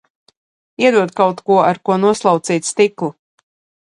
Iedod kaut ko, ar ko noslaucīt stiklu!